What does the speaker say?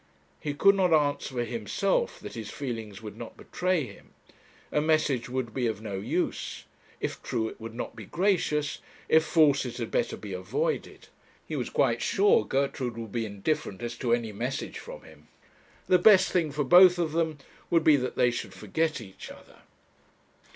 He could not answer for himself that his feelings would not betray him. A message would be of no use; if true, it would not be gracious; if false, it had better be avoided. He was quite sure Gertrude would be indifferent as to any message from him. The best thing for them both would be that they should forget each other.